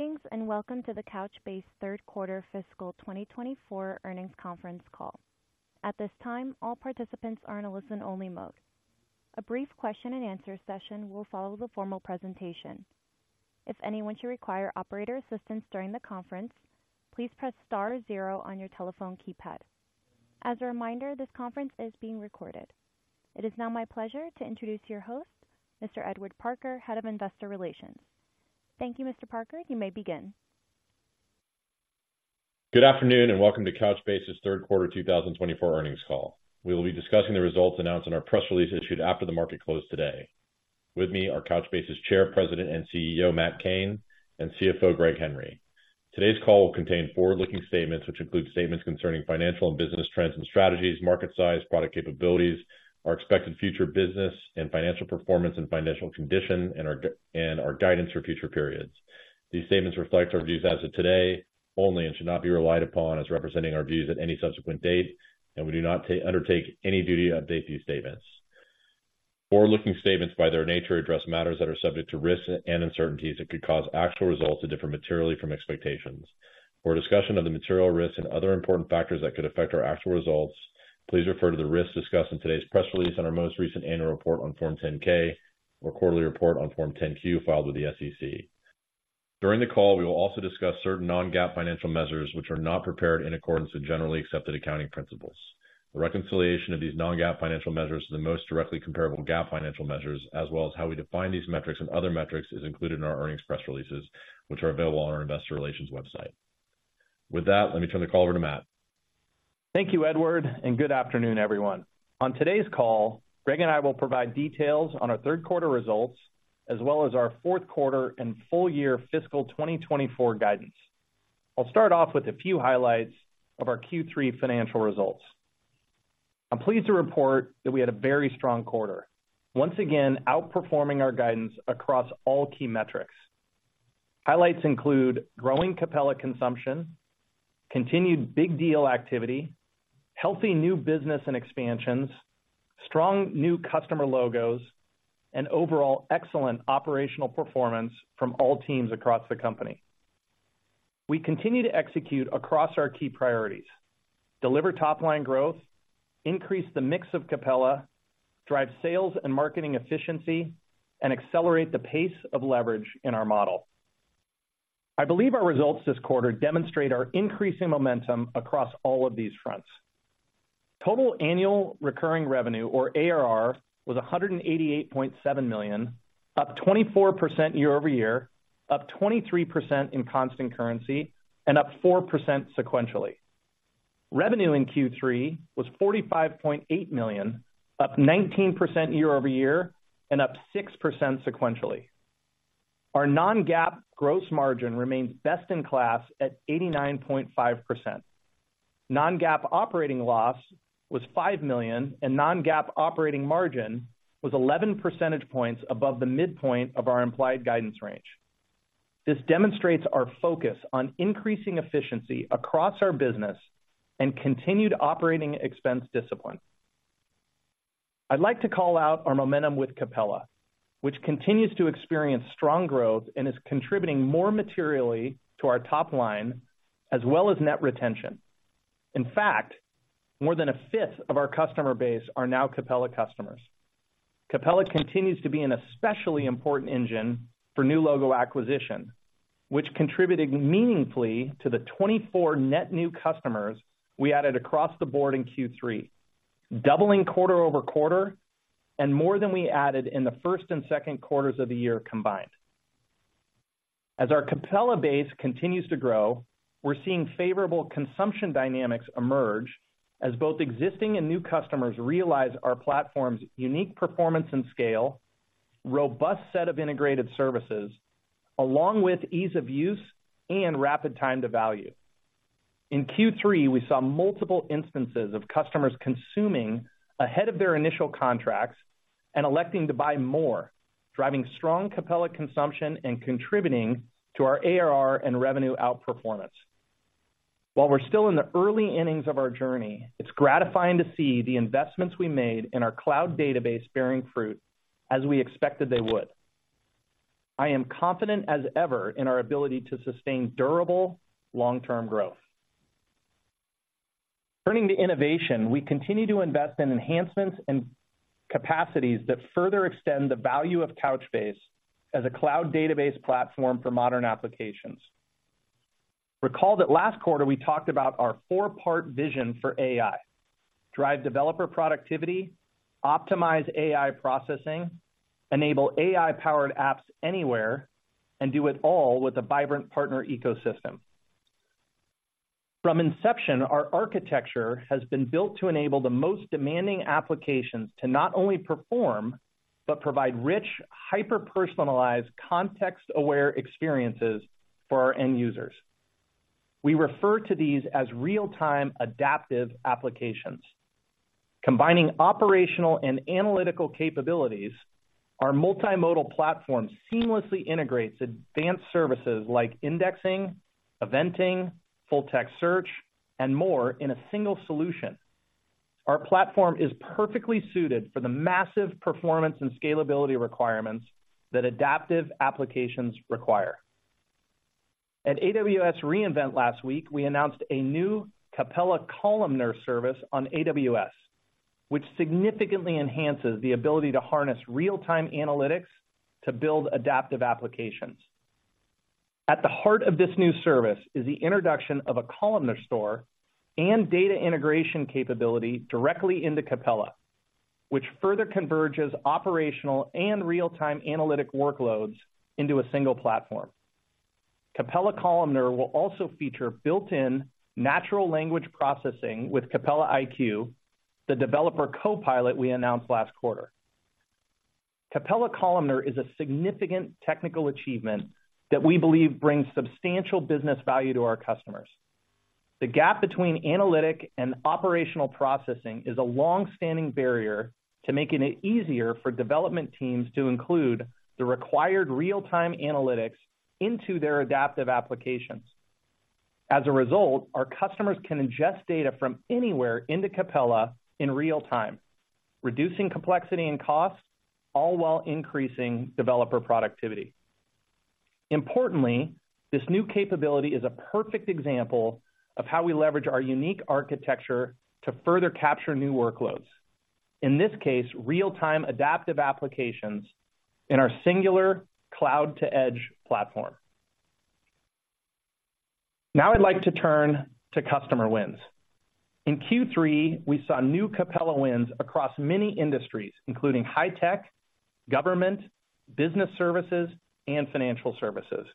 Greetings, and welcome to the Couchbase Third Quarter Fiscal 2024 Earnings Conference Call. At this time, all participants are in a listen-only mode. A brief question and answer session will follow the formal presentation. If anyone should require operator assistance during the conference, please press star zero on your telephone keypad. As a reminder, this conference is being recorded. It is now my pleasure to introduce your host, Mr. Edward Parker, Head of Investor Relations. Thank you, Mr. Parker. You may begin. Good afternoon, and welcome to Couchbase's Third Quarter 2024 Earnings Call. We will be discussing the results announced in our press release issued after the market closed today. With me are Couchbase's Chair, President, and CEO, Matt Cain, and CFO, Greg Henry. Today's call will contain forward-looking statements, which include statements concerning financial and business trends and strategies, market size, product capabilities, our expected future business and financial performance and financial condition, and our guidance for future periods. These statements reflect our views as of today only and should not be relied upon as representing our views at any subsequent date, and we do not undertake any duty to update these statements. Forward-looking statements, by their nature, address matters that are subject to risks and uncertainties that could cause actual results to differ materially from expectations. For a discussion of the material risks and other important factors that could affect our actual results, please refer to the risks discussed in today's press release and our most recent annual report on Form 10-K or quarterly report on Form 10-Q filed with the SEC. During the call, we will also discuss certain non-GAAP financial measures, which are not prepared in accordance with generally accepted accounting principles. The reconciliation of these non-GAAP financial measures to the most directly comparable GAAP financial measures, as well as how we define these metrics and other metrics, is included in our earnings press releases, which are available on our investor relations website. With that, let me turn the call over to Matt. Thank you, Edward, and good afternoon, everyone. On today's call, Greg and I will provide details on our third quarter results, as well as our fourth quarter and full year fiscal 2024 guidance. I'll start off with a few highlights of our Q3 financial results. I'm pleased to report that we had a very strong quarter, once again outperforming our guidance across all key metrics. Highlights include growing Capella consumption, continued big deal activity, healthy new business and expansions, strong new customer logos, and overall excellent operational performance from all teams across the company. We continue to execute across our key priorities, deliver top-line growth, increase the mix of Capella, drive sales and marketing efficiency, and accelerate the pace of leverage in our model. I believe our results this quarter demonstrate our increasing momentum across all of these fronts. Total annual recurring revenue, or ARR, was $188.7 million, up 24% year-over-year, up 23% in constant currency, and up 4% sequentially. Revenue in Q3 was $45.8 million, up 19% year-over-year and up 6% sequentially. Our non-GAAP gross margin remains best-in-class at 89.5%. Non-GAAP operating loss was $5 million, and non-GAAP operating margin was 11 percentage points above the midpoint of our implied guidance range. This demonstrates our focus on increasing efficiency across our business and continued operating expense discipline. I'd like to call out our momentum with Capella, which continues to experience strong growth and is contributing more materially to our top line as well as net retention. In fact, more than a fifth of our customer base are now Capella customers. Capella continues to be an especially important engine for new logo acquisition, which contributed meaningfully to the 24 net new customers we added across the board in Q3, doubling quarter-over-quarter and more than we added in the first and second quarters of the year combined. As our Capella base continues to grow, we're seeing favorable consumption dynamics emerge as both existing and new customers realize our platform's unique performance and scale, robust set of integrated services, along with ease of use and rapid time to value. In Q3, we saw multiple instances of customers consuming ahead of their initial contracts and electing to buy more, driving strong Capella consumption and contributing to our ARR and revenue outperformance. While we're still in the early innings of our journey, it's gratifying to see the investments we made in our cloud database bearing fruit as we expected they would. I am confident as ever in our ability to sustain durable, long-term growth. Turning to innovation, we continue to invest in enhancements and capacities that further extend the value of Couchbase as a cloud database platform for modern applications. Recall that last quarter, we talked about our four-part vision for AI: drive developer productivity, optimize AI processing, enable AI-powered apps anywhere, and do it all with a vibrant partner ecosystem. From inception, our architecture has been built to enable the most demanding applications to not only perform, but provide rich, hyper-personalized, context-aware experiences for our end users. We refer to these as real-time adaptive applications. Combining operational and analytical capabilities, our multimodal platform seamlessly integrates advanced services like indexing, eventing, full-text search, and more in a single solution. Our platform is perfectly suited for the massive performance and scalability requirements that adaptive applications require. At AWS re:Invent last week, we announced a new Capella Columnar service on AWS, which significantly enhances the ability to harness real-time analytics to build adaptive applications. At the heart of this new service is the introduction of a columnar store and data integration capability directly into Capella, which further converges operational and real-time analytic workloads into a single platform. Capella Columnar will also feature built-in natural language processing with Capella iQ, the developer copilot we announced last quarter. Capella Columnar is a significant technical achievement that we believe brings substantial business value to our customers. The gap between analytic and operational processing is a long-standing barrier to making it easier for development teams to include the required real-time analytics into their adaptive applications. As a result, our customers can ingest data from anywhere into Capella in real time, reducing complexity and costs, all while increasing developer productivity. Importantly, this new capability is a perfect example of how we leverage our unique architecture to further capture new workloads, in this case, real-time adaptive applications in our singular cloud-to-edge platform. Now I'd like to turn to customer wins. In Q3, we saw new Capella wins across many industries, including high tech, government, business services, and financial services.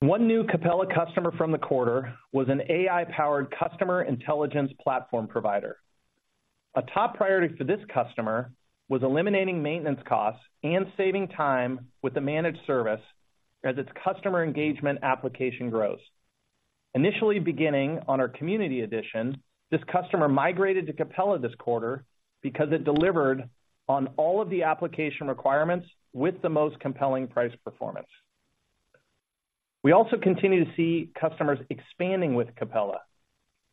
One new Capella customer from the quarter was an AI-powered customer intelligence platform provider. A top priority for this customer was eliminating maintenance costs and saving time with the managed service as its customer engagement application grows. Initially beginning on our Community Edition, this customer migrated to Capella this quarter because it delivered on all of the application requirements with the most compelling price performance. We also continue to see customers expanding with Capella.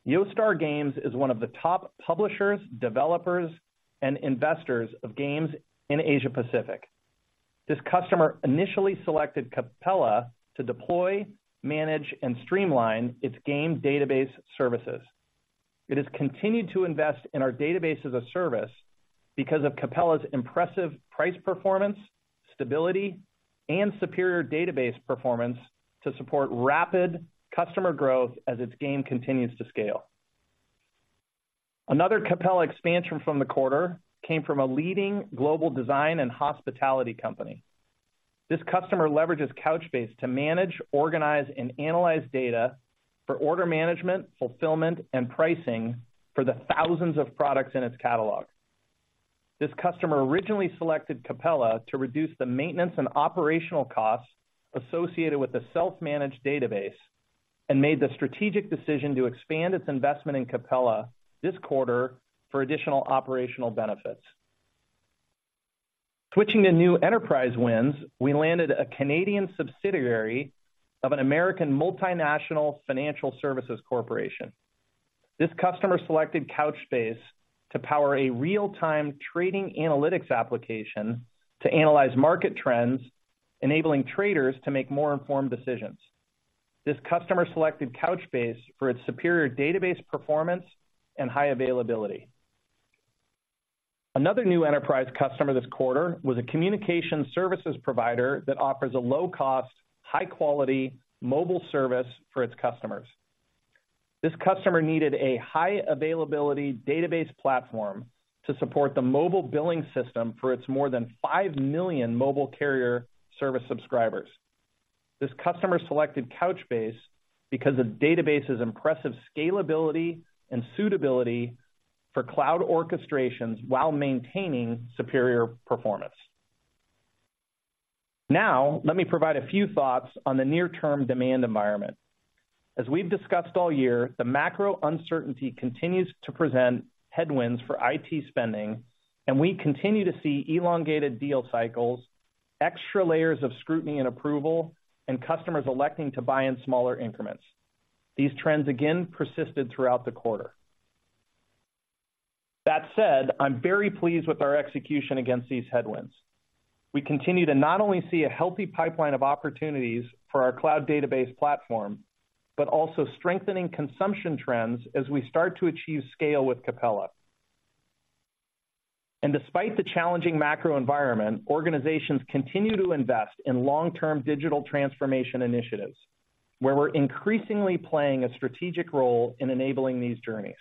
Yostar Games is one of the top publishers, developers, and investors of games in Asia Pacific. This customer initially selected Capella to deploy, manage, and streamline its game database services. It has continued to invest in our database as a service because of Capella's impressive price performance, stability, and superior database performance to support rapid customer growth as its game continues to scale. Another Capella expansion from the quarter came from a leading global design and hospitality company. This customer leverages Couchbase to manage, organize, and analyze data for order management, fulfillment, and pricing for the thousands of products in its catalog. This customer originally selected Capella to reduce the maintenance and operational costs associated with the self-managed database and made the strategic decision to expand its investment in Capella this quarter for additional operational benefits. Switching to new enterprise wins, we landed a Canadian subsidiary of an American multinational financial services corporation. This customer selected Couchbase to power a real-time trading analytics application to analyze market trends, enabling traders to make more informed decisions. This customer selected Couchbase for its superior database performance and high availability. Another new enterprise customer this quarter was a communication services provider that offers a low-cost, high-quality mobile service for its customers. This customer needed a high-availability database platform to support the mobile billing system for its more than 5 million mobile carrier service subscribers. This customer selected Couchbase because the database's impressive scalability and suitability for cloud orchestrations while maintaining superior performance. Now, let me provide a few thoughts on the near-term demand environment. As we've discussed all year, the macro uncertainty continues to present headwinds for IT spending, and we continue to see elongated deal cycles, extra layers of scrutiny and approval, and customers electing to buy in smaller increments. These trends again persisted throughout the quarter. That said, I'm very pleased with our execution against these headwinds. We continue to not only see a healthy pipeline of opportunities for our cloud database platform, but also strengthening consumption trends as we start to achieve scale with Capella. And despite the challenging macro environment, organizations continue to invest in long-term digital transformation initiatives, where we're increasingly playing a strategic role in enabling these journeys.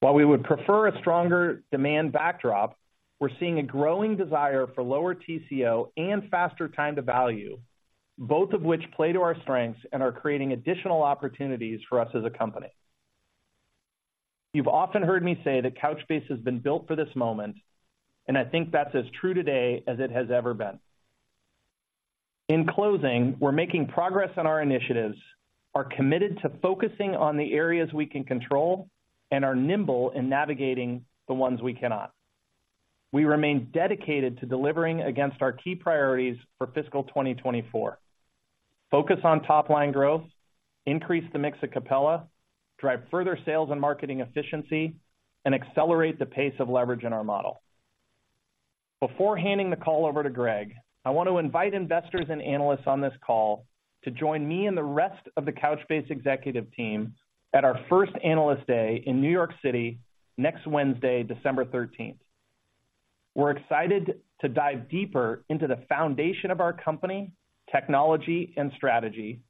While we would prefer a stronger demand backdrop, we're seeing a growing desire for lower TCO and faster time to value, both of which play to our strengths and are creating additional opportunities for us as a company. You've often heard me say that Couchbase has been built for this moment, and I think that's as true today as it has ever been. In closing, we're making progress on our initiatives, are committed to focusing on the areas we can control, and are nimble in navigating the ones we cannot. We remain dedicated to delivering against our key priorities for fiscal 2024. Focus on top-line growth, increase the mix of Capella, drive further sales and marketing efficiency, and accelerate the pace of leverage in our model. Before handing the call over to Greg, I want to invite investors and analysts on this call to join me and the rest of the Couchbase executive team at our first Analyst Day in New York City next Wednesday, December 13th. We're excited to dive deeper into the foundation of our company, technology, and strategy,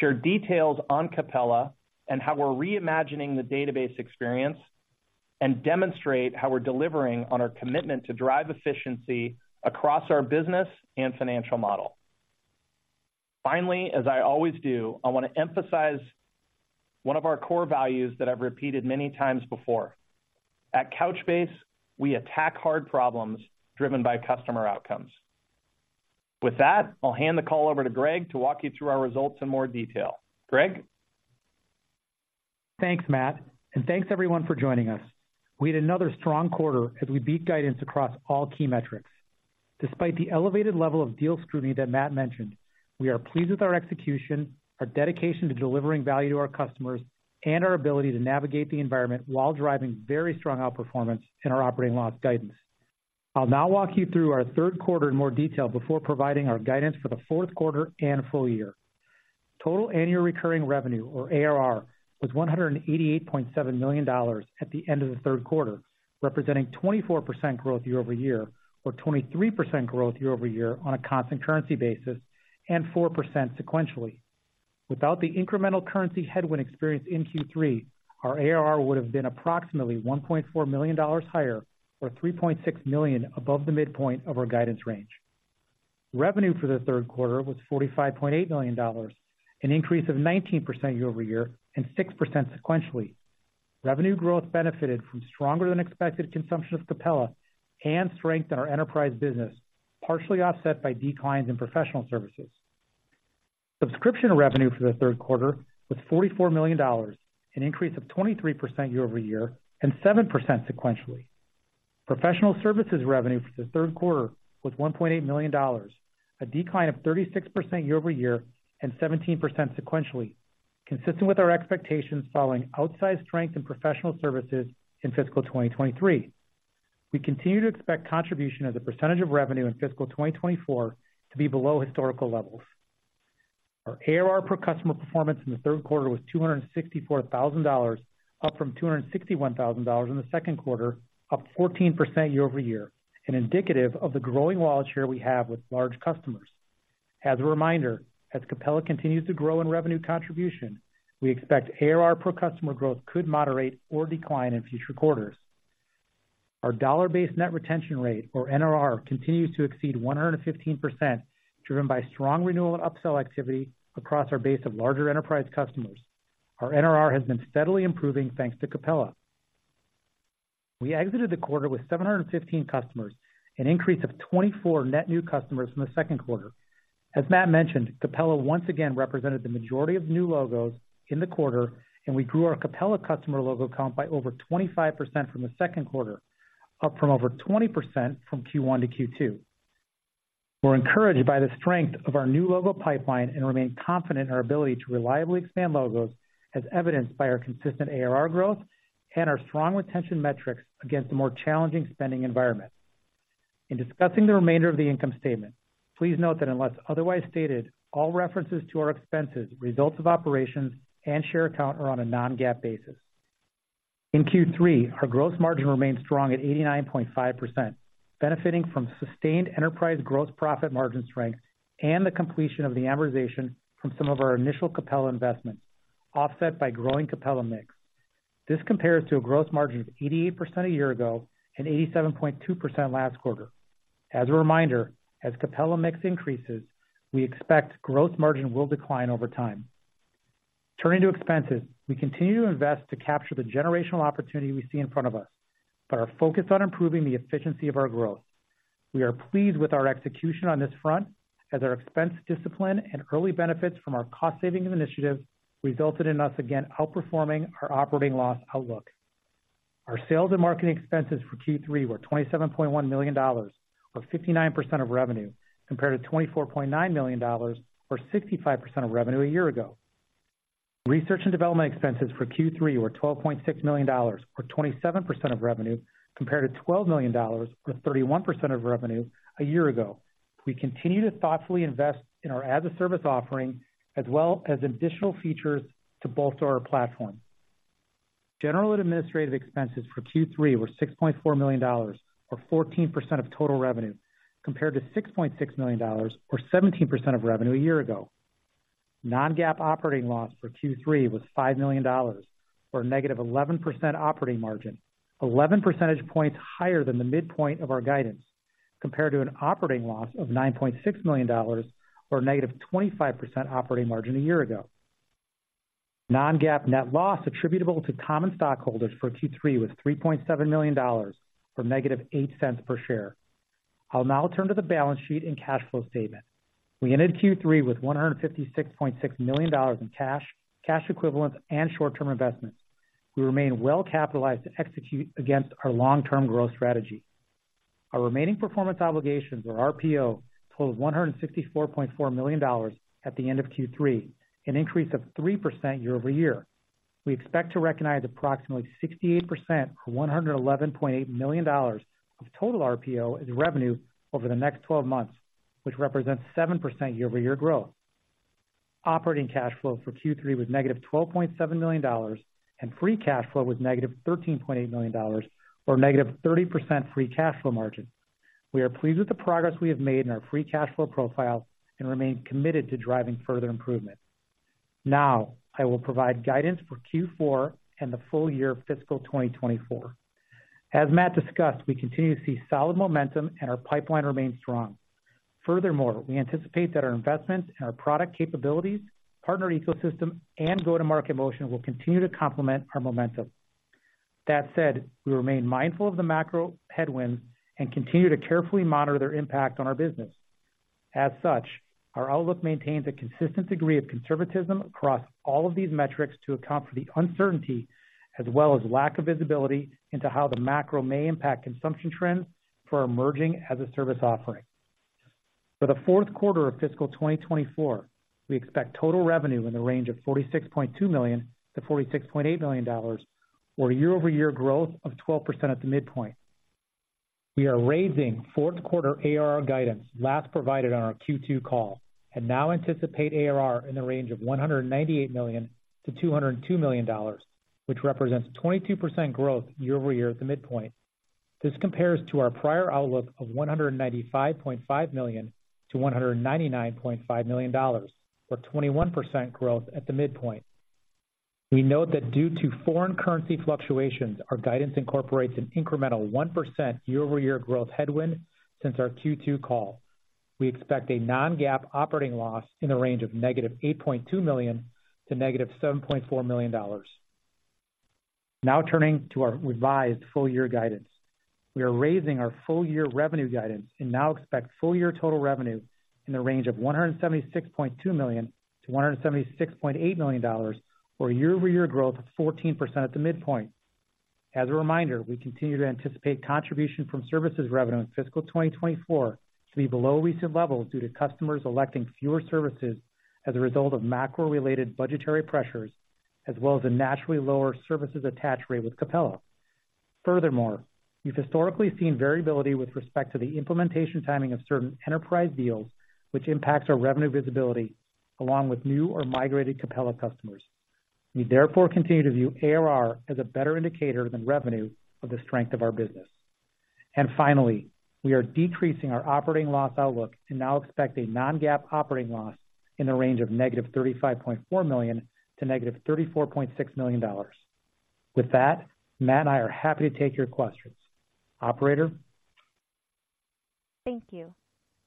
share details on Capella and how we're reimagining the database experience, and demonstrate how we're delivering on our commitment to drive efficiency across our business and financial model. Finally, as I always do, I want to emphasize one of our core values that I've repeated many times before. At Couchbase, we attack hard problems driven by customer outcomes. With that, I'll hand the call over to Greg to walk you through our results in more detail. Greg? Thanks, Matt, and thanks everyone for joining us. We had another strong quarter as we beat guidance across all key metrics. Despite the elevated level of deal scrutiny that Matt mentioned, we are pleased with our execution, our dedication to delivering value to our customers, and our ability to navigate the environment while driving very strong outperformance in our operating loss guidance. I'll now walk you through our third quarter in more detail before providing our guidance for the fourth quarter and full year. Total annual recurring revenue, or ARR, was $188.7 million at the end of the third quarter, representing 24% growth year-over-year, or 23% growth year-over-year on a constant currency basis, and 4% sequentially. Without the incremental currency headwind experience in Q3, our ARR would have been approximately $1.4 million higher, or $3.6 million above the midpoint of our guidance range. Revenue for the third quarter was $45.8 million, an increase of 19% year-over-year and 6% sequentially. Revenue growth benefited from stronger than expected consumption of Capella and strength in our enterprise business, partially offset by declines in professional services. Subscription revenue for the third quarter was $44 million, an increase of 23% year-over-year and 7% sequentially. Professional services revenue for the third quarter was $1.8 million, a decline of 36% year-over-year and 17% sequentially, consistent with our expectations following outsized strength in professional services in fiscal 2023. We continue to expect contribution as a percentage of revenue in fiscal 2024 to be below historical levels. Our ARR per customer performance in the third quarter was $264,000, up from $261,000 in the second quarter, up 14% year-over-year, and indicative of the growing wallet share we have with large customers. As a reminder, as Capella continues to grow in revenue contribution, we expect ARR per customer growth could moderate or decline in future quarters. Our dollar-based net retention rate, or NRR, continues to exceed 115%, driven by strong renewal and upsell activity across our base of larger enterprise customers. Our NRR has been steadily improving, thanks to Capella. We exited the quarter with 715 customers, an increase of 24 net new customers from the second quarter. As Matt mentioned, Capella once again represented the majority of new logos in the quarter, and we grew our Capella customer logo count by over 25% from the second quarter, up from over 20% from Q1 to Q2. We're encouraged by the strength of our new logo pipeline and remain confident in our ability to reliably expand logos, as evidenced by our consistent ARR growth and our strong retention metrics against a more challenging spending environment. In discussing the remainder of the income statement, please note that unless otherwise stated, all references to our expenses, results of operations, and share count are on a non-GAAP basis. In Q3, our gross margin remained strong at 89.5%, benefiting from sustained enterprise gross profit margin strength and the completion of the amortization from some of our initial Capella investments, offset by growing Capella mix. This compares to a gross margin of 88% a year ago and 87.2% last quarter. As a reminder, as Capella mix increases, we expect gross margin will decline over time. Turning to expenses, we continue to invest to capture the generational opportunity we see in front of us, but are focused on improving the efficiency of our growth. We are pleased with our execution on this front, as our expense discipline and early benefits from our cost-saving initiatives resulted in us again outperforming our operating loss outlook. Our sales and marketing expenses for Q3 were $27.1 million, or 59% of revenue, compared to $24.9 million, or 65% of revenue a year ago. Research and development expenses for Q3 were $12.6 million, or 27% of revenue, compared to $12 million with 31% of revenue a year ago. We continue to thoughtfully invest in our as-a-service offering, as well as additional features to bolster our platform. General and administrative expenses for Q3 were $6.4 million, or 14% of total revenue, compared to $6.6 million, or 17% of revenue a year ago. Non-GAAP operating loss for Q3 was $5 million, or -11% operating margin, 11 percentage points higher than the midpoint of our guidance, compared to an operating loss of $9.6 million, or -25% operating margin a year ago. Non-GAAP net loss attributable to common stockholders for Q3 was $3.7 million, or -$0.08 per share... I'll now turn to the balance sheet and cash flow statement. We ended Q3 with $156.6 million in cash, cash equivalents, and short-term investments. We remain well-capitalized to execute against our long-term growth strategy. Our remaining performance obligations, or RPO, totaled $164.4 million at the end of Q3, an increase of 3% year-over-year. We expect to recognize approximately 68%, or $111.8 million of total RPO as revenue over the next 12 months, which represents 7% year-over-year growth. Operating cash flow for Q3 was -$12.7 million, and free cash flow was -$13.8 million, or -30% free cash flow margin. We are pleased with the progress we have made in our free cash flow profile and remain committed to driving further improvement. Now, I will provide guidance for Q4 and the full year fiscal 2024. As Matt discussed, we continue to see solid momentum, and our pipeline remains strong. Furthermore, we anticipate that our investments in our product capabilities, partner ecosystem, and go-to-market motion will continue to complement our momentum. That said, we remain mindful of the macro headwinds and continue to carefully monitor their impact on our business. As such, our outlook maintains a consistent degree of conservatism across all of these metrics to account for the uncertainty, as well as lack of visibility into how the macro may impact consumption trends for our emerging as-a-service offering. For the fourth quarter of fiscal 2024, we expect total revenue in the range of $46.2 million-$46.8 million, or a year-over-year growth of 12% at the midpoint. We are raising fourth quarter ARR guidance last provided on our Q2 call, and now anticipate ARR in the range of $198 million-$202 million, which represents 22% growth year-over-year at the midpoint. This compares to our prior outlook of $195.5 million-$199.5 million, or 21% growth at the midpoint. We note that due to foreign currency fluctuations, our guidance incorporates an incremental 1% year-over-year growth headwind since our Q2 call. We expect a non-GAAP operating loss in the range of -$8.2 million-$7.4 million. Now, turning to our revised full year guidance. We are raising our full year revenue guidance and now expect full year total revenue in the range of $176.2 million-$176.8 million, or a year-over-year growth of 14% at the midpoint. As a reminder, we continue to anticipate contribution from services revenue in fiscal 2024 to be below recent levels due to customers electing fewer services as a result of macro-related budgetary pressures, as well as a naturally lower services attach rate with Capella. Furthermore, we've historically seen variability with respect to the implementation timing of certain enterprise deals, which impacts our revenue visibility, along with new or migrated Capella customers. We therefore continue to view ARR as a better indicator than revenue of the strength of our business. And finally, we are decreasing our operating loss outlook to now expect a Non-GAAP operating loss in the range of -$35.4 million–-$34.6 million. With that, Matt and I are happy to take your questions. Operator? Thank you.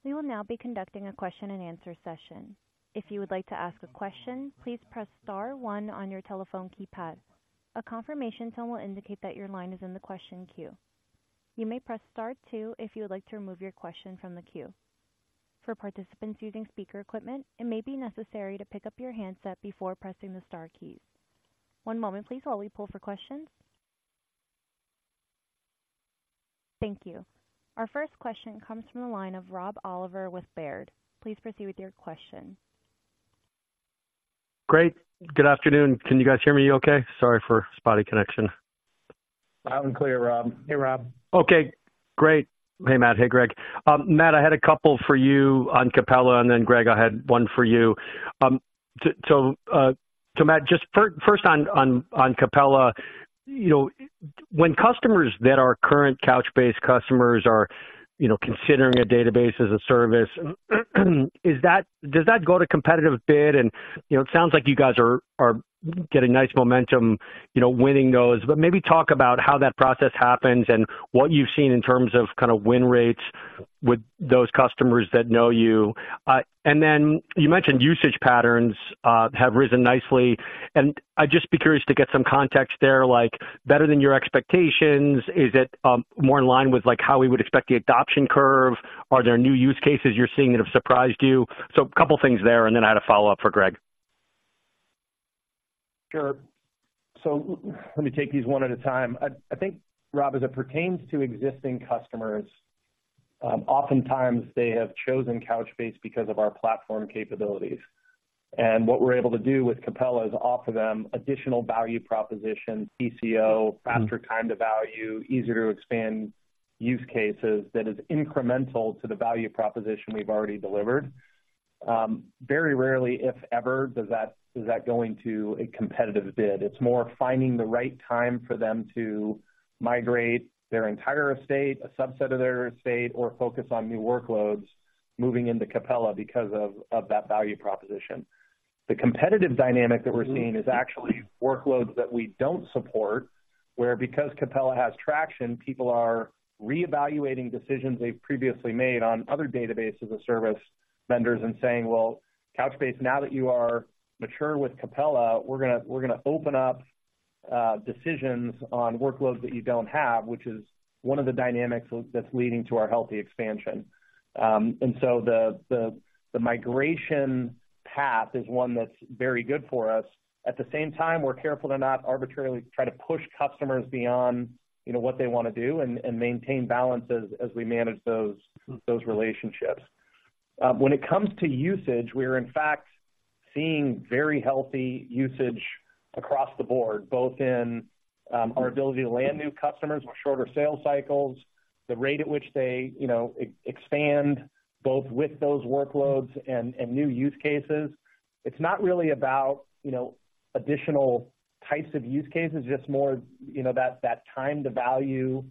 We will now be conducting a question-and-answer session. If you would like to ask a question, please press star one on your telephone keypad. A confirmation tone will indicate that your line is in the question queue. You may press star two if you would like to remove your question from the queue. For participants using speaker equipment, it may be necessary to pick up your handset before pressing the star keys. One moment, please, while we pull for questions. Thank you. Our first question comes from the line of Rob Oliver with Baird. Please proceed with your question. Great. Good afternoon. Can you guys hear me okay? Sorry for spotty connection. Loud and clear, Rob. Hey, Rob. Okay, great. Hey, Matt. Hey, Greg. Matt, I had a couple for you on Capella, and then Greg, I had one for you. So, Matt, just first on Capella, you know, when customers that are current Couchbase customers are, you know, considering a database as a service, is that... Does that go to competitive bid? And, you know, it sounds like you guys are getting nice momentum, you know, winning those. But maybe talk about how that process happens and what you've seen in terms of kind of win rates with those customers that know you. And then you mentioned usage patterns have risen nicely, and I'd just be curious to get some context there, like better than your expectations? Is it more in line with, like, how we would expect the adoption curve? Are there new use cases you're seeing that have surprised you? So a couple things there, and then I had a follow-up for Greg. Sure. So let me take these one at a time. I think, Rob, as it pertains to existing customers, oftentimes they have chosen Couchbase because of our platform capabilities. And what we're able to do with Capella is offer them additional value propositions, TCO, faster time to value, easier to expand use cases that is incremental to the value proposition we've already delivered. Very rarely, if ever, does that go into a competitive bid. It's more finding the right time for them to migrate their entire estate, a subset of their estate, or focus on new workloads moving into Capella because of that value proposition. The competitive dynamic that we're seeing is actually workloads that we don't support, where because Capella has traction, people are reevaluating decisions they've previously made on other database-as-a-service vendors and saying, "Well, Couchbase, now that you are mature with Capella, we're gonna open up-... decisions on workloads that you don't have, which is one of the dynamics that's leading to our healthy expansion. And so the migration path is one that's very good for us. At the same time, we're careful to not arbitrarily try to push customers beyond, you know, what they want to do and maintain balance as we manage those relationships. When it comes to usage, we are in fact seeing very healthy usage across the board, both in our ability to land new customers with shorter sales cycles, the rate at which they, you know, expand both with those workloads and new use cases. It's not really about, you know, additional types of use cases, just more, you know, that, that time to value,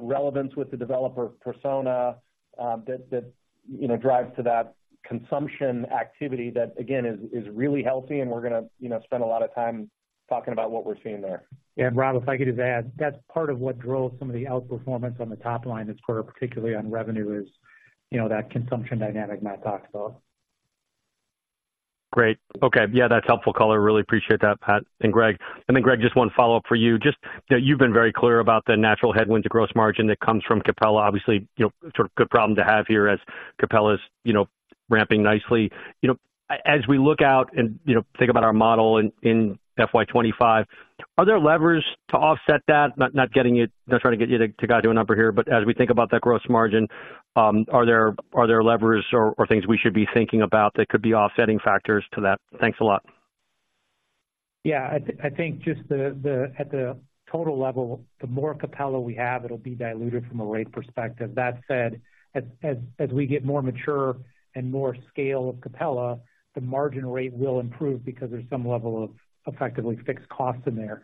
relevance with the developer persona, that, that, you know, drives to that consumption activity that, again, is, is really healthy, and we're gonna, you know, spend a lot of time talking about what we're seeing there. Yeah, Rob, if I could just add, that's part of what drove some of the outperformance on the top line this quarter, particularly on revenue, is, you know, that consumption dynamic Matt talked about. Great. Okay, yeah, that's helpful color. Really appreciate that, Matt and Greg. And then, Greg, just one follow-up for you. Just, you know, you've been very clear about the natural headwind to gross margin that comes from Capella. Obviously, you know, sort of good problem to have here as Capella's, you know, ramping nicely. You know, as we look out and, you know, think about our model in FY 25, are there levers to offset that? Not getting you... Not trying to get you to guide to a number here, but as we think about that gross margin, are there levers or things we should be thinking about that could be offsetting factors to that? Thanks a lot. Yeah, I think just the at the total level, the more Capella we have, it'll be diluted from a rate perspective. That said, as we get more mature and more scale of Capella, the margin rate will improve because there's some level of effectively fixed costs in there.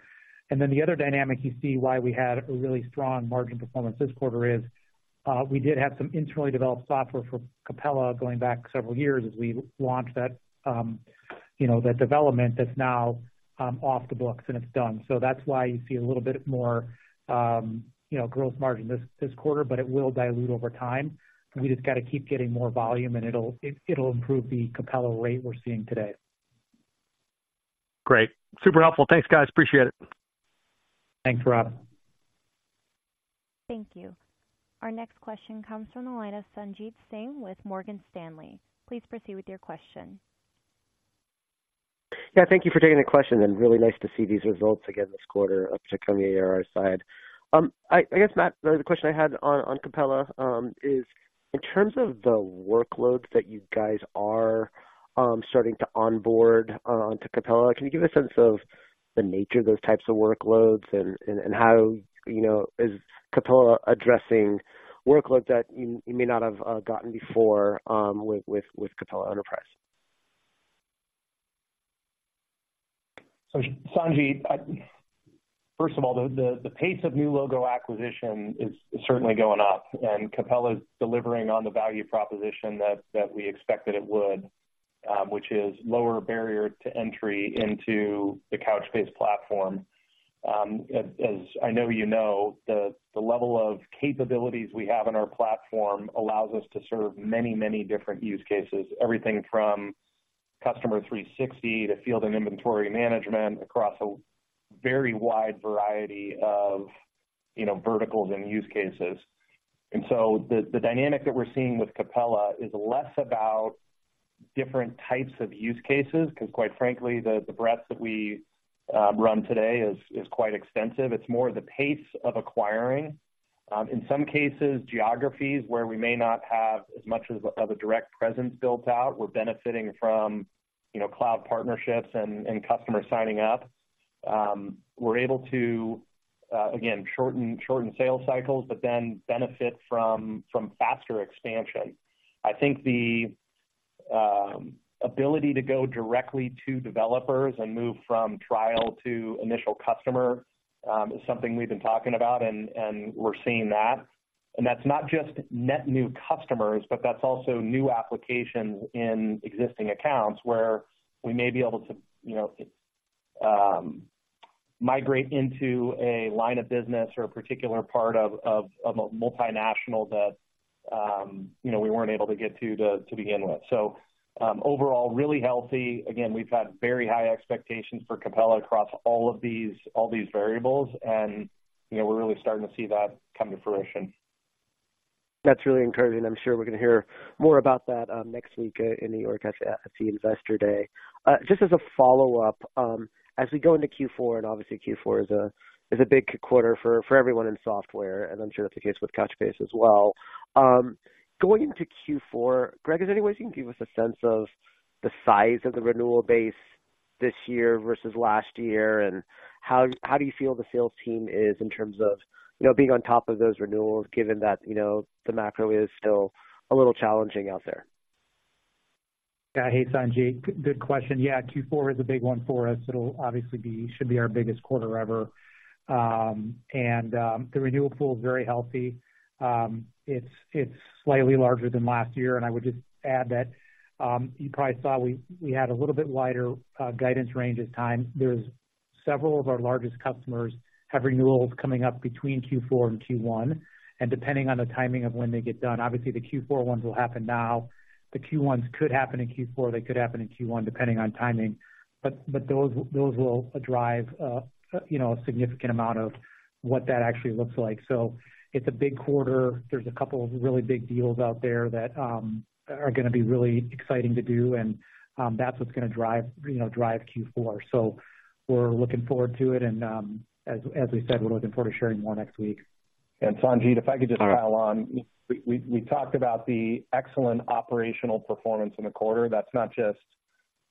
And then the other dynamic you see why we had a really strong margin performance this quarter is, we did have some internally developed software for Capella going back several years as we launched that, you know, the development that's now off the books and it's done. So that's why you see a little bit more, you know, growth margin this quarter, but it will dilute over time. We just got to keep getting more volume, and it'll improve the Capella rate we're seeing today. Great. Super helpful. Thanks, guys. Appreciate it. Thanks, Rob. Thank you. Our next question comes from the line of Sanjit Singh with Morgan Stanley. Please proceed with your question. Yeah, thank you for taking the question, and really nice to see these results again this quarter, particularly ARR side. I guess, Matt, the question I had on Capella is in terms of the workloads that you guys are starting to onboard on to Capella. Can you give a sense of the nature of those types of workloads and how, you know, is Capella addressing workloads that you may not have gotten before with Capella Enterprise? So Sanjit, first of all, the pace of new logo acquisition is certainly going up, and Capella's delivering on the value proposition that we expected it would, which is lower barrier to entry into the Couchbase platform. As I know you know, the level of capabilities we have on our platform allows us to serve many, many different use cases, everything from Customer 360 to field and inventory management across a very wide variety of, you know, verticals and use cases. And so the dynamic that we're seeing with Capella is less about different types of use cases, because quite frankly, the breadth that we run today is quite extensive. It's more the pace of acquiring. In some cases, geographies where we may not have as much of a direct presence built out. We're benefiting from, you know, cloud partnerships and customers signing up. We're able to, again, shorten sales cycles, but then benefit from faster expansion. I think the ability to go directly to developers and move from trial to initial customer is something we've been talking about, and we're seeing that. And that's not just net new customers, but that's also new applications in existing accounts where we may be able to, you know, migrate into a line of business or a particular part of a multinational that, you know, we weren't able to get to begin with. So, overall, really healthy. Again, we've had very high expectations for Capella across all these variables, and, you know, we're really starting to see that come to fruition. That's really encouraging. I'm sure we're gonna hear more about that next week in New York at the Investor Day. Just as a follow-up, as we go into Q4, and obviously Q4 is a big quarter for everyone in software, and I'm sure that's the case with Couchbase as well. Going into Q4, Greg, is there any way you can give us a sense of the size of the renewal base this year versus last year, and how do you feel the sales team is in terms of, you know, being on top of those renewals, given that, you know, the macro is still a little challenging out there? Yeah. Hey, Sanjit, good question. Yeah, Q4 is a big one for us. It'll obviously be our biggest quarter ever. And the renewal pool is very healthy. It's slightly larger than last year, and I would just add that you probably saw we had a little bit wider guidance range this time. Several of our largest customers have renewals coming up between Q4 and Q1, and depending on the timing of when they get done, obviously the Q4 ones will happen now. The Q1s could happen in Q4, they could happen in Q1, depending on timing. But those will drive, you know, a significant amount of what that actually looks like. So it's a big quarter. There's a couple of really big deals out there that are gonna be really exciting to do, and that's what's gonna drive, you know, drive Q4. So we're looking forward to it, and as we said, we're looking forward to sharing more next week. Sanjit, if I could just pile on. We talked about the excellent operational performance in the quarter. That's not just,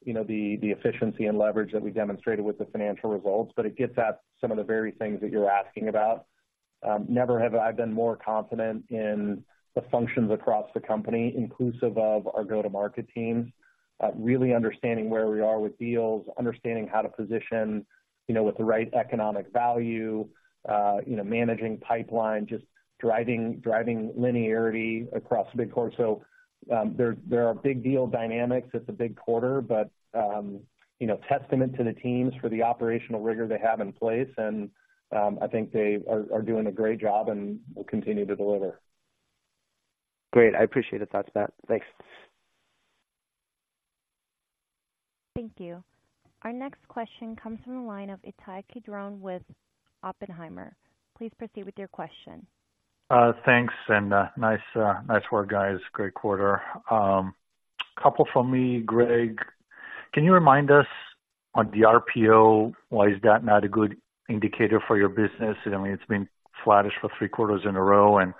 you know, the efficiency and leverage that we demonstrated with the financial results, but it gets at some of the very things that you're asking about. Never have I been more confident in the functions across the company, inclusive of our go-to-market teams, really understanding where we are with deals, understanding how to position, you know, with the right economic value, you know, managing pipeline, just driving linearity across big core. So, there are big deal dynamics. It's a big quarter, but, you know, testament to the teams for the operational rigor they have in place, and I think they are doing a great job and will continue to deliver. Great. I appreciate the thoughts, Matt. Thanks. Thank you. Our next question comes from the line of Ittai Kidron with Oppenheimer. Please proceed with your question. Thanks, and nice work, guys. Great quarter. Couple from me, Greg, can you remind us on the RPO, why is that not a good indicator for your business? I mean, it's been flattish for three quarters in a row, and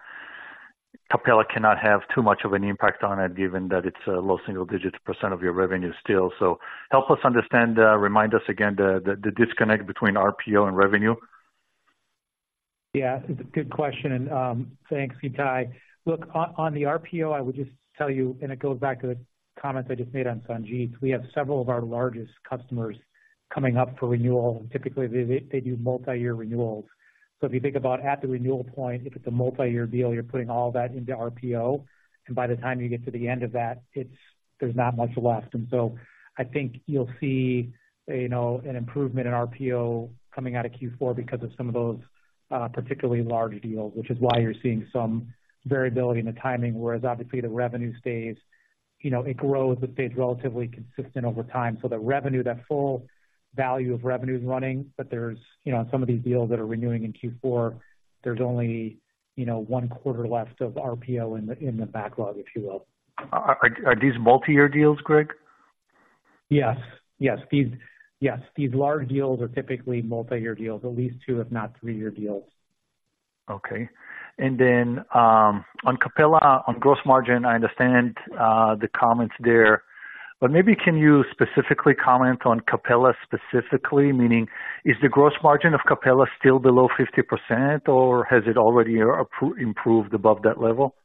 Capella cannot have too much of an impact on it, given that it's a low single-digits % of your revenue still. So help us understand, remind us again the disconnect between RPO and revenue. Yeah, it's a good question, and thanks, Ittai. Look, on the RPO, I would just tell you, and it goes back to the comments I just made on Sanjit. We have several of our largest customers coming up for renewal, and typically they do multi-year renewals. So if you think about at the renewal point, if it's a multi-year deal, you're putting all that into RPO, and by the time you get to the end of that, it's -- there's not much left. And so I think you'll see, you know, an improvement in RPO coming out of Q4 because of some of those particularly large deals, which is why you're seeing some variability in the timing, whereas obviously the revenue stays, you know, it grows, but stays relatively consistent over time. So the revenue, that full value of revenue is running, but there's, you know, some of these deals that are renewing in Q4, there's only, you know, one quarter left of RPO in the, in the backlog, if you will. Are these multi-year deals, Greg? Yes, these large deals are typically multi-year deals, at least two, if not three-year deals. Okay. And then, on Capella, on gross margin, I understand the comments there, but maybe can you specifically comment on Capella specifically? Meaning, is the gross margin of Capella still below 50%, or has it already improved above that level?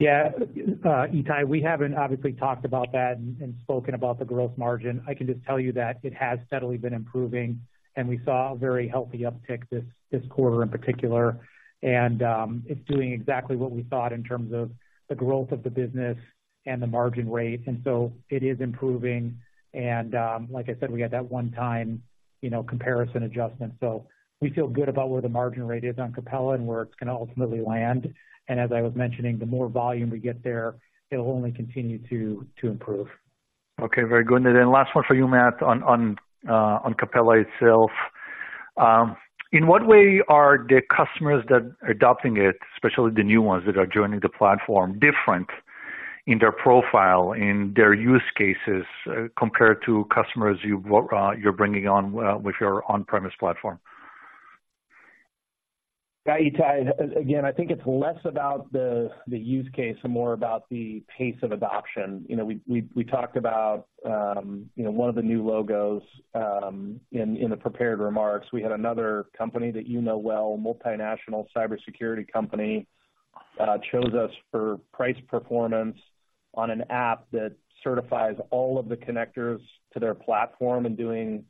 Yeah, Ittai, we haven't obviously talked about that and spoken about the growth margin. I can just tell you that it has steadily been improving, and we saw a very healthy uptick this quarter in particular. And it's doing exactly what we thought in terms of the growth of the business and the margin rate, and so it is improving, and like I said, we had that one time, you know, comparison adjustment. So we feel good about where the margin rate is on Capella and where it's gonna ultimately land. And as I was mentioning, the more volume we get there, it'll only continue to improve. Okay, very good. And then last one for you, Matt, on Capella itself. In what way are the customers that are adopting it, especially the new ones that are joining the platform, different in their profile, in their use cases, compared to customers you're bringing on with your on-premise platform? Yeah, Ittai, again, I think it's less about the use case and more about the pace of adoption. You know, we talked about, you know, one of the new logos in the prepared remarks. We had another company that you know well, multinational cybersecurity company, chose us for price performance on an app that certifies all of the connectors to their platform and doing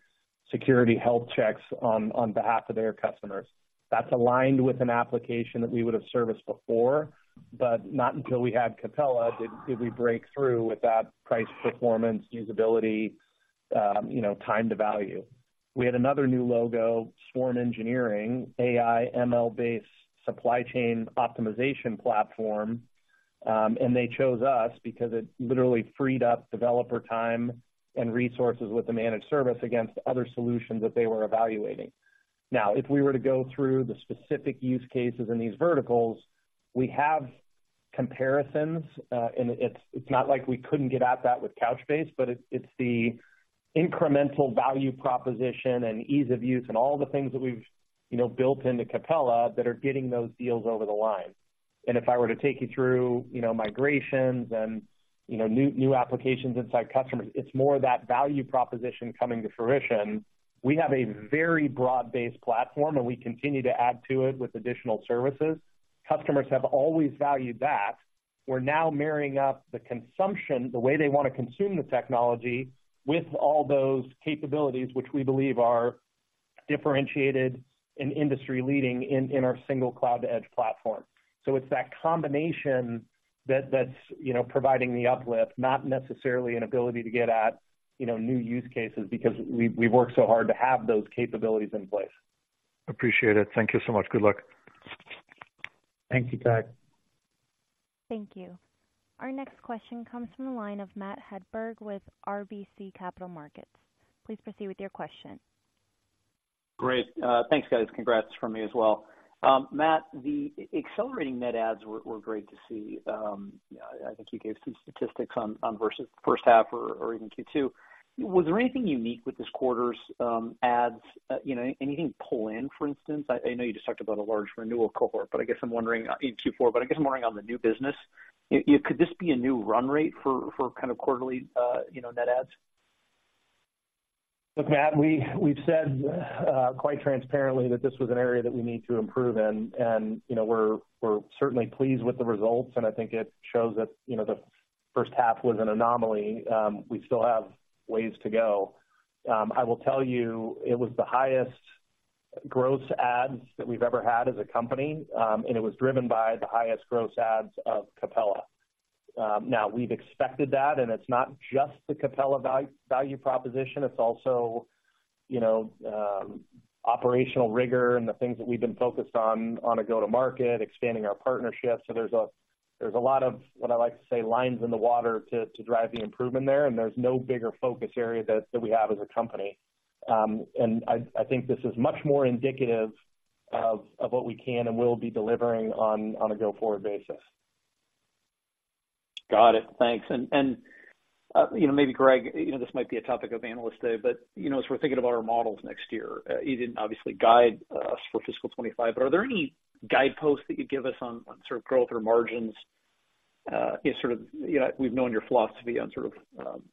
security health checks on behalf of their customers. That's aligned with an application that we would have serviced before, but not until we had Capella did we break through with that price, performance, usability, you know, time to value. We had another new logo, SWARM Engineering, AI/ML-based supply chain optimization platform, and they chose us because it literally freed up developer time and resources with the managed service against other solutions that they were evaluating. Now, if we were to go through the specific use cases in these verticals, we have comparisons, and it's, it's not like we couldn't get at that with Couchbase, but it's, it's the incremental value proposition and ease of use and all the things that we've, you know, built into Capella that are getting those deals over the line. And if I were to take you through, you know, migrations and, you know, new, new applications inside customers, it's more that value proposition coming to fruition. We have a very broad-based platform, and we continue to add to it with additional services. Customers have always valued that. We're now marrying up the consumption, the way they want to consume the technology, with all those capabilities, which we believe are differentiated and industry-leading in our single cloud-to-edge platform. So it's that combination that's, you know, providing the uplift, not necessarily an ability to get at, you know, new use cases, because we, we've worked so hard to have those capabilities in place. Appreciate it. Thank you so much. Good luck. Thank you, Todd. Thank you. Our next question comes from the line of Matt Hedberg with RBC Capital Markets. Please proceed with your question. Great. Thanks, guys. Congrats from me as well. Matt, the accelerating net adds were great to see. I think you gave some statistics on versus first half or even Q2. Was there anything unique with this quarter's adds, you know, anything pull in, for instance? I know you just talked about a large renewal cohort, but I guess I'm wondering, in Q4, but I guess I'm wondering on the new business. Could this be a new run rate for kind of quarterly, you know, net adds? Look, Matt, we, we've said quite transparently that this was an area that we need to improve, and, and, you know, we're, we're certainly pleased with the results, and I think it shows that, you know, the first half was an anomaly. We still have ways to go. I will tell you, it was the highest gross adds that we've ever had as a company, and it was driven by the highest gross adds of Capella. Now we've expected that, and it's not just the Capella value, value proposition, it's also, you know, operational rigor and the things that we've been focused on, on a go-to-market, expanding our partnerships. So there's a, there's a lot of, what I like to say, lines in the water to, to drive the improvement there, and there's no bigger focus area that, that we have as a company. I think this is much more indicative of what we can and will be delivering on a go-forward basis. Got it. Thanks. And, you know, maybe, Greg, you know, this might be a topic of Analyst Day, but, you know, as we're thinking about our models next year, you didn't obviously guide us for fiscal 2025, but are there any guideposts that you'd give us on sort of growth or margins? Sort of, you know, we've known your philosophy on sort of,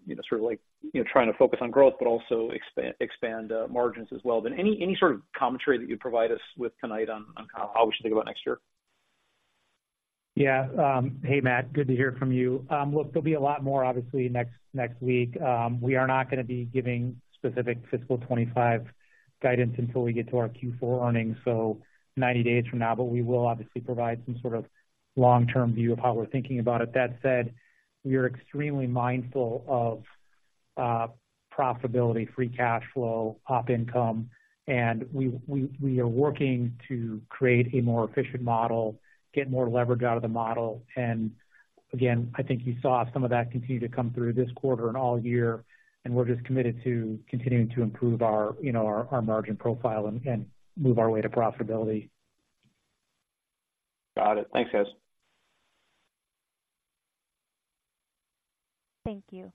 you know, sort of like, you know, trying to focus on growth, but also expand margins as well. But any sort of commentary that you'd provide us with tonight on kind of how we should think about next year? Yeah. Hey, Matt, good to hear from you. Look, there'll be a lot more obviously next week. We are not gonna be giving specific fiscal 25 guidance until we get to our Q4 earnings, so 90 days from now. But we will obviously provide some sort of long-term view of how we're thinking about it. That said, we are extremely mindful of profitability, free cash flow, op income, and we are working to create a more efficient model, get more leverage out of the model. And again, I think you saw some of that continue to come through this quarter and all year, and we're just committed to continuing to improve our you know our margin profile and move our way to profitability. Got it. Thanks, guys. Thank you.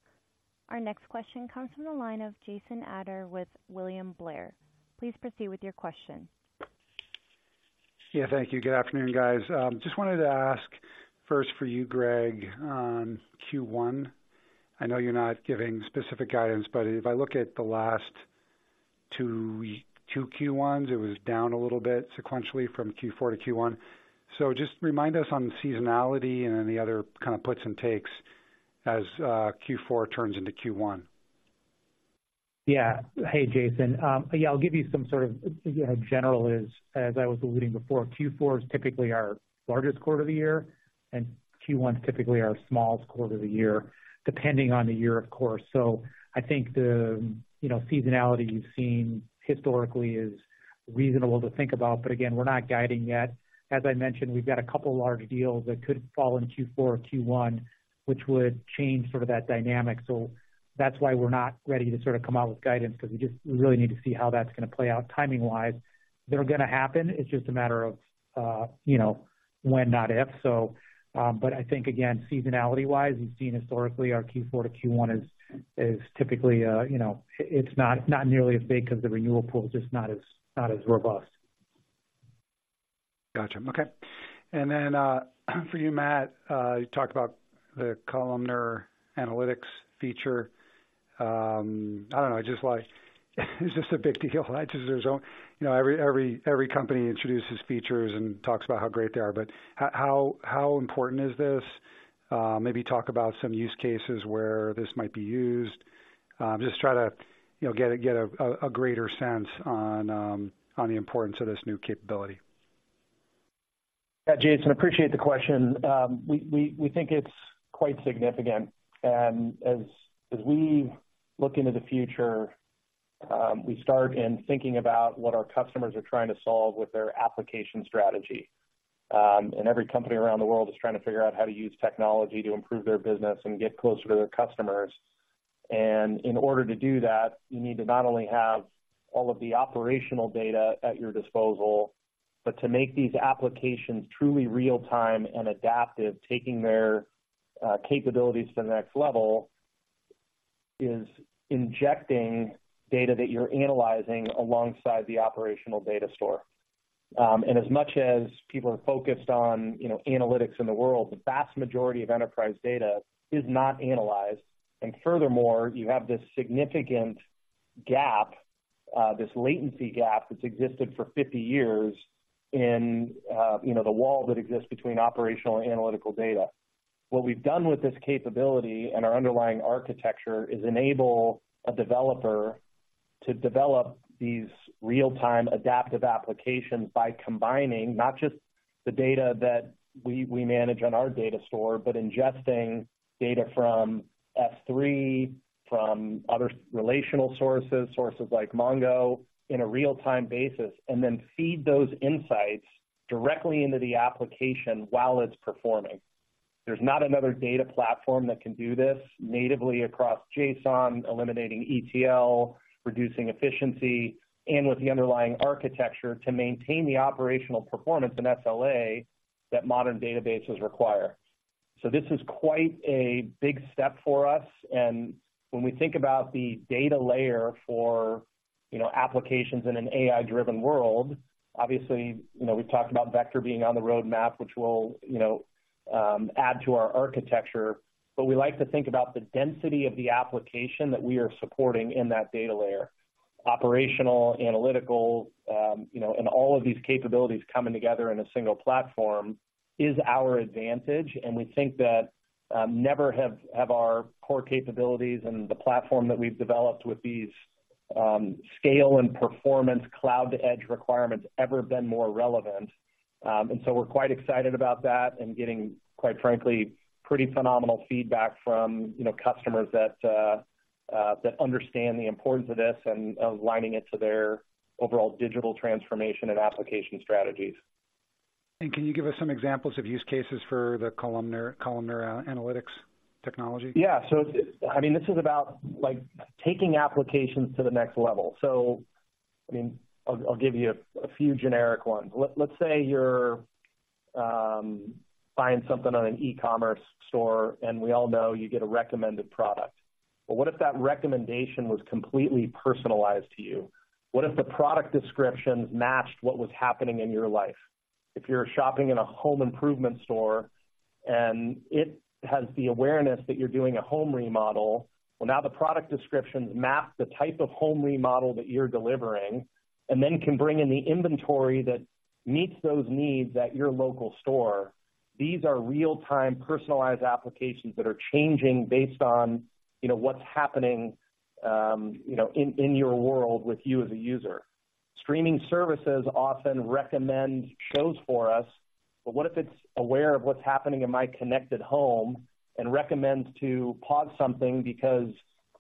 Our next question comes from the line of Jason Ader with William Blair. Please proceed with your question. Yeah, thank you. Good afternoon, guys. Just wanted to ask first for you, Greg, on Q1. I know you're not giving specific guidance, but if I look at the last two Q1s, it was down a little bit sequentially from Q4 to Q1. So just remind us on seasonality and any other kind of puts and takes as Q4 turns into Q1. Yeah. Hey, Jason. Yeah, I'll give you some sort of, you know, general as I was alluding before, Q4 is typically our largest quarter of the year, and Q1 is typically our smallest quarter of the year, depending on the year, of course. So I think the, you know, seasonality you've seen historically is reasonable to think about. But again, we're not guiding yet. As I mentioned, we've got a couple large deals that could fall in Q4 or Q1, which would change sort of that dynamic. So that's why we're not ready to sort of come out with guidance, because we just really need to see how that's gonna play out timing-wise. They're gonna happen, it's just a matter of, you know, when, not if. But I think, again, seasonality-wise, you've seen historically our Q4 to Q1 is typically, you know, it's not nearly as big because the renewal pool is just not as robust. Gotcha. Okay. And then, for you, Matt, you talked about the columnar analytics feature. I don't know, I just like, it's just a big deal. I just don't... You know, every company introduces features and talks about how great they are, but how important is this? Maybe talk about some use cases where this might be used. Just try to, you know, get a greater sense on, on the importance of this new capability. Yeah, Jason, appreciate the question. We think it's quite significant. As we look into the future, we start in thinking about what our customers are trying to solve with their application strategy. Every company around the world is trying to figure out how to use technology to improve their business and get closer to their customers. In order to do that, you need to not only have all of the operational data at your disposal, but to make these applications truly real-time and adaptive, taking their capabilities to the next level is injecting data that you're analyzing alongside the operational data store. As much as people are focused on, you know, analytics in the world, the vast majority of enterprise data is not analyzed. Furthermore, you have this significant gap, this latency gap that's existed for 50 years in, you know, the wall that exists between operational and analytical data. What we've done with this capability and our underlying architecture is enable a developer to develop these real-time adaptive applications by combining not just the data that we, we manage on our data store, but ingesting data from S3, from other relational sources, sources like Mongo, in a real-time basis, and then feed those insights directly into the application while it's performing. There's not another data platform that can do this natively across JSON, eliminating ETL, reducing efficiency, and with the underlying architecture to maintain the operational performance in SLA that modern databases require. So this is quite a big step for us, and when we think about the data layer for, you know, applications in an AI-driven world, obviously, you know, we've talked about Vector being on the roadmap, which will, you know, add to our architecture. But we like to think about the density of the application that we are supporting in that data layer. Operational, analytical, you know, and all of these capabilities coming together in a single platform is our advantage, and we think that, never have our core capabilities and the platform that we've developed with these, scale and performance cloud-to-edge requirements ever been more relevant. And so we're quite excited about that and getting, quite frankly, pretty phenomenal feedback from, you know, customers that understand the importance of this and aligning it to their overall digital transformation and application strategies. Can you give us some examples of use cases for the columnar analytics technology? Yeah, so it, I mean, this is about, like, taking applications to the next level. So, I mean, I'll give you a few generic ones. Let's say you're buying something on an e-commerce store, and we all know you get a recommended product. But what if that recommendation was completely personalized to you? What if the product descriptions matched what was happening in your life? If you're shopping in a home improvement store, and it has the awareness that you're doing a home remodel, well, now the product descriptions map the type of home remodel that you're delivering, and then can bring in the inventory that meets those needs at your local store. These are real-time, personalized applications that are changing based on, you know, what's happening, you know, in your world with you as a user. Streaming services often recommend shows for us, but what if it's aware of what's happening in my connected home and recommends to pause something because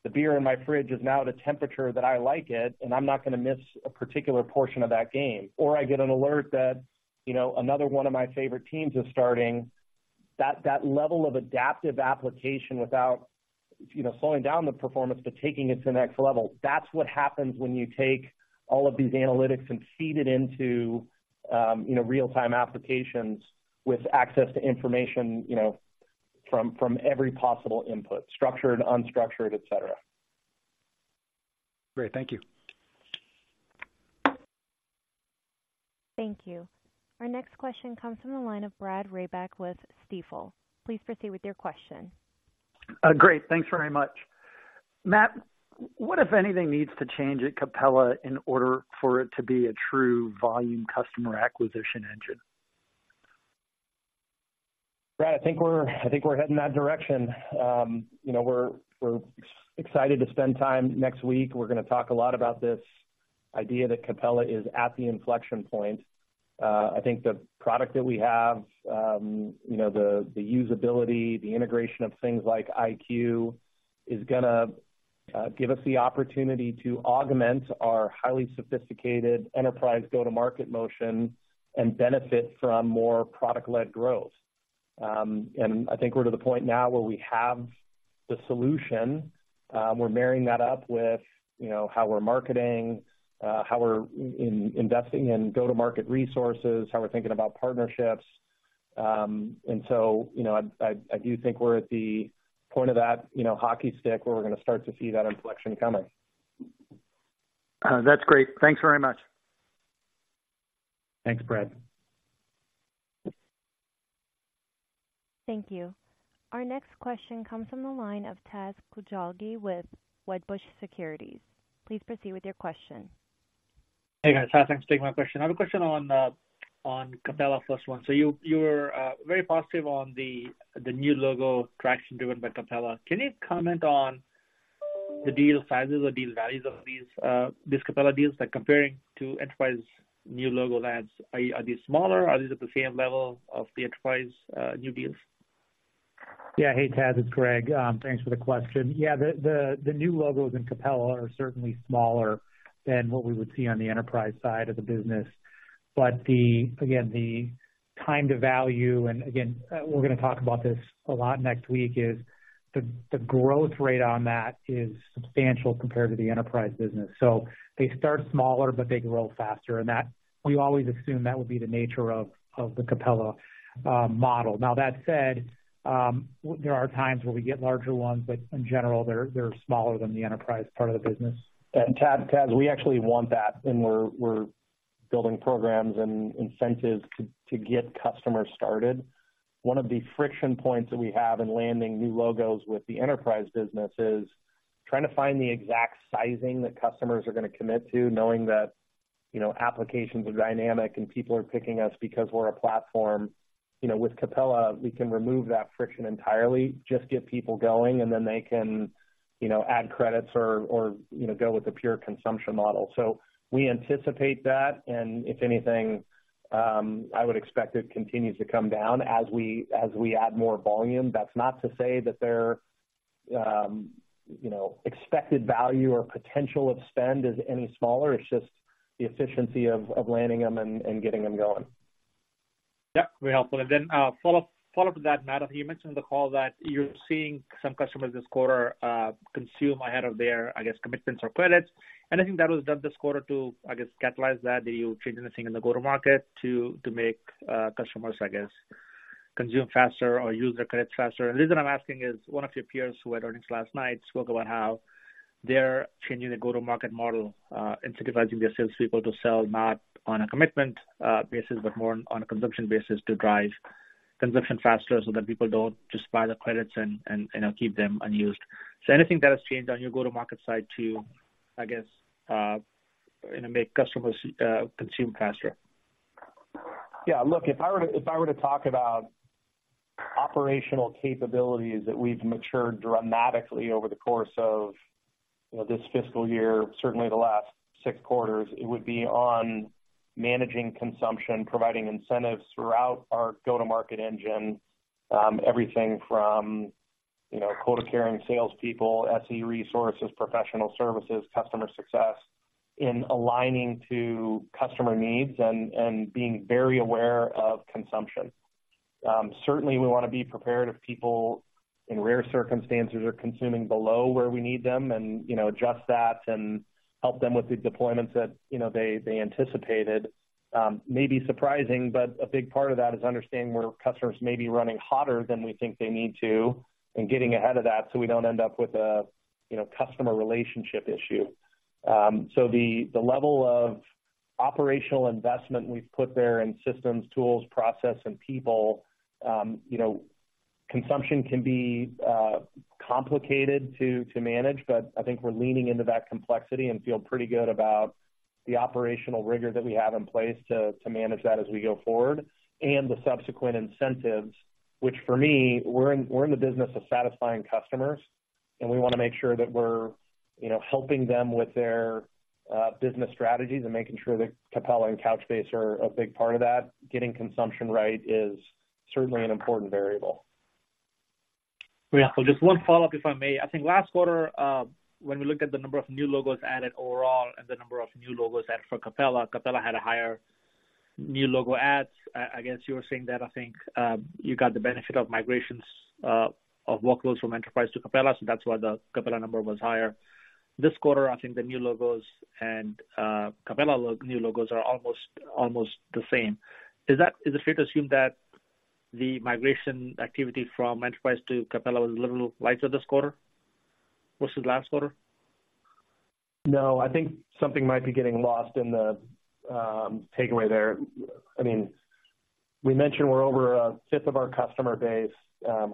the beer in my fridge is now at a temperature that I like it, and I'm not going to miss a particular portion of that game? Or I get an alert that, you know, another one of my favorite teams is starting. That level of adaptive application without, you know, slowing down the performance, but taking it to the next level, that's what happens when you take all of these analytics and feed it into, you know, real-time applications with access to information, you know, from, from every possible input, structured, unstructured, et cetera. Great. Thank you. Thank you. Our next question comes from the line of Brad Reback with Stifel. Please proceed with your question. Great. Thanks very much. Matt, what, if anything, needs to change at Capella in order for it to be a true volume customer acquisition engine? Brad, I think we're heading in that direction. You know, we're excited to spend time next week. We're going to talk a lot about this idea that Capella is at the inflection point. I think the product that we have, you know, the usability, the integration of things like iQ, is gonna give us the opportunity to augment our highly sophisticated enterprise go-to-market motion and benefit from more product-led growth. And I think we're to the point now where we have the solution. We're marrying that up with, you know, how we're marketing, how we're investing in go-to-market resources, how we're thinking about partnerships. And so, you know, I do think we're at the point of that, you know, hockey stick, where we're going to start to see that inflection coming. That's great. Thanks very much. Thanks, Brad. Thank you. Our next question comes from the line of Taz Koujalgi with Wedbush Securities. Please proceed with your question. Hey, guys. Taz, thanks for taking my question. I have a question on, on Capella first one. So you, you're, very positive on the, the new logo traction driven by Capella. Can you comment on the deal sizes or deal values of these, these Capella deals? Like, comparing to Enterprise new logo lands, are, are these smaller? Are these at the same level of the Enterprise, new deals? Yeah. Hey, Taz, it's Greg. Thanks for the question. Yeah, the new logos in Capella are certainly smaller than what we would see on the enterprise side of the business. But the... Again, the time to value, and again, we're going to talk about this a lot next week, is the growth rate on that is substantial compared to the enterprise business. So they start smaller, but they grow faster. And that, we always assume that would be the nature of the Capella model. Now, that said, there are times where we get larger ones, but in general, they're smaller than the enterprise part of the business. And Taz, Taz, we actually want that, and we're, we're building programs and incentives to, to get customers started. One of the friction points that we have in landing new logos with the enterprise business is trying to find the exact sizing that customers are going to commit to, knowing that you know, applications are dynamic, and people are picking us because we're a platform. You know, with Capella, we can remove that friction entirely, just get people going, and then they can, you know, add credits or, or, you know, go with the pure consumption model. So we anticipate that, and if anything, I would expect it continues to come down as we, as we add more volume. That's not to say that their you know, expected value or potential of spend is any smaller. It's just the efficiency of landing them and getting them going. Yeah, very helpful. And then, follow up to that, Matt, you mentioned in the call that you're seeing some customers this quarter, consume ahead of their, I guess, commitments or credits, and I think that was done this quarter to, I guess, catalyze that. Did you change anything in the go-to-market to make, customers, I guess, consume faster or use their credits faster? The reason I'm asking is one of your peers who had earnings last night spoke about how they're changing the go-to-market model, incentivizing their salespeople to sell not on a commitment basis, but more on a consumption basis, to drive consumption faster so that people don't just buy the credits and, you know, keep them unused. So anything that has changed on your go-to-market side to, I guess, you know, make customers, consume faster? Yeah, look, if I were to talk about operational capabilities that we've matured dramatically over the course of, you know, this fiscal year, certainly the last six quarters, it would be on managing consumption, providing incentives throughout our go-to-market engine, everything from, you know, quota-carrying salespeople, SE resources, professional services, customer success, in aligning to customer needs and being very aware of consumption. Certainly we wanna be prepared if people, in rare circumstances, are consuming below where we need them and, you know, adjust that and help them with the deployments that, you know, they anticipated. Maybe surprising, but a big part of that is understanding where customers may be running hotter than we think they need to and getting ahead of that, so we don't end up with a, you know, customer relationship issue. So the level of operational investment we've put there in systems, tools, process, and people, you know, consumption can be complicated to manage, but I think we're leaning into that complexity and feel pretty good about the operational rigor that we have in place to manage that as we go forward, and the subsequent incentives, which for me, we're in, we're in the business of satisfying customers, and we wanna make sure that we're, you know, helping them with their business strategies and making sure that Capella and Couchbase are a big part of that. Getting consumption right is certainly an important variable. Yeah. So just one follow-up, if I may. I think last quarter, when we looked at the number of new logos added overall and the number of new logos added for Capella, Capella had a higher new logo adds. As you were saying that I think, you got the benefit of migrations of workloads from Enterprise to Capella, so that's why the Capella number was higher. This quarter, I think the new logos and Capella new logos are almost the same. Is it fair to assume that the migration activity from Enterprise to Capella was a little lighter this quarter versus last quarter? No, I think something might be getting lost in the takeaway there. I mean, we mentioned we're over a fifth of our customer base.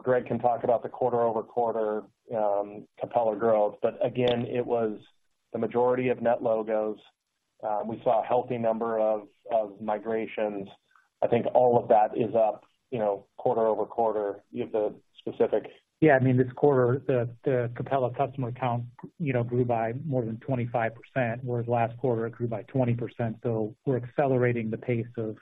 Greg can talk about the quarter-over-quarter Capella growth, but again, it was the majority of net logos. We saw a healthy number of migrations. I think all of that is up, you know, quarter-over-quarter. You have the specific- Yeah, I mean, this quarter, the Capella customer count, you know, grew by more than 25%, whereas last quarter it grew by 20%. So we're accelerating the pace of,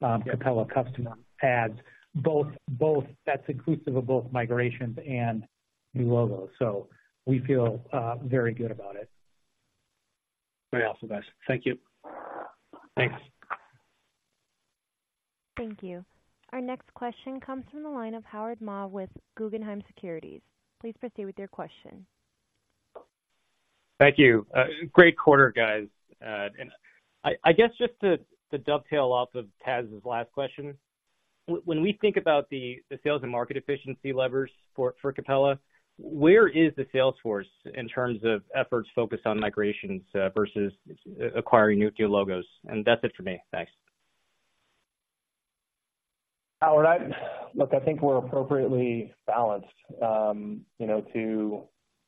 Yeah. Capella customer adds. Both, both—that's inclusive of both migrations and new logos, so we feel very good about it. Very awesome, guys. Thank you. Thanks. Thank you. Our next question comes from the line of Howard Ma with Guggenheim Securities. Please proceed with your question. Thank you. Great quarter, guys. And I guess just to dovetail off of Taz's last question, when we think about the sales and market efficiency levers for Capella, where is the sales force in terms of efforts focused on migrations versus acquiring new deal logos? And that's it for me. Thanks. Howard, look, I think we're appropriately balanced. You know, to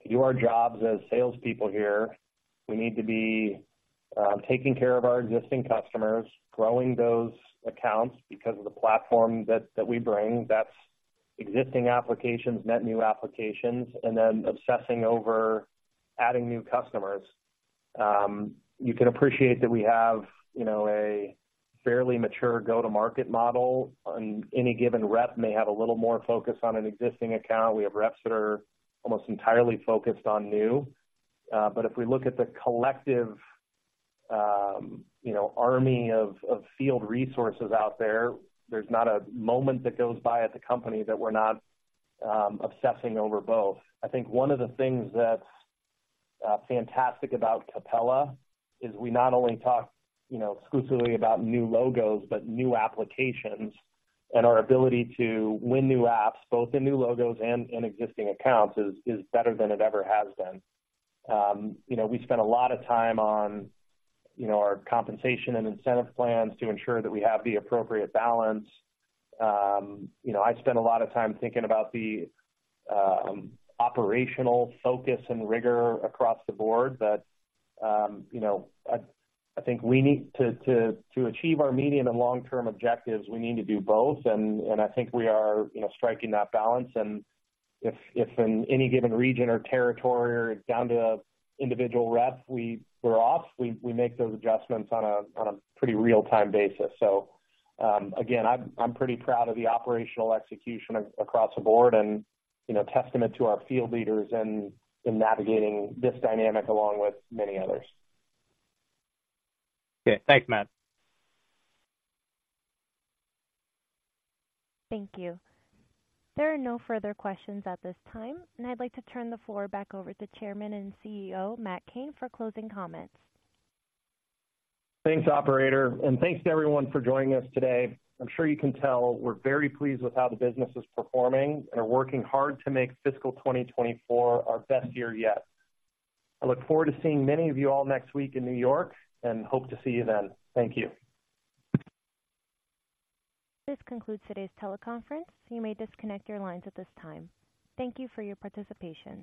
do our jobs as salespeople here, we need to be taking care of our existing customers, growing those accounts because of the platform that we bring. That's existing applications, net new applications, and then obsessing over adding new customers. You can appreciate that we have, you know, a fairly mature go-to-market model, and any given rep may have a little more focus on an existing account. We have reps that are almost entirely focused on new. But if we look at the collective, you know, army of field resources out there, there's not a moment that goes by at the company that we're not obsessing over both. I think one of the things that's fantastic about Capella is we not only talk, you know, exclusively about new logos, but new applications, and our ability to win new apps, both in new logos and in existing accounts, is better than it ever has been. You know, we spend a lot of time on, you know, our compensation and incentive plans to ensure that we have the appropriate balance. You know, I spend a lot of time thinking about the operational focus and rigor across the board that, you know, I think we need to achieve our medium and long-term objectives, we need to do both, and I think we are, you know, striking that balance. If in any given region or territory or down to individual rep, we're off, we make those adjustments on a pretty real-time basis. So, again, I'm pretty proud of the operational execution across the board and, you know, testament to our field leaders in navigating this dynamic, along with many others. Okay. Thanks, Matt. Thank you. There are no further questions at this time, and I'd like to turn the floor back over to Chairman and CEO, Matt Cain, for closing comments. Thanks, operator, and thanks to everyone for joining us today. I'm sure you can tell we're very pleased with how the business is performing and are working hard to make fiscal 2024 our best year yet. I look forward to seeing many of you all next week in New York and hope to see you then. Thank you. This concludes today's teleconference. You may disconnect your lines at this time. Thank you for your participation.